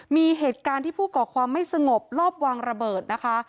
มีเหตุการณ์ที่ผู้ก่อความไม่สงบรอบวางระเบิดนะคะ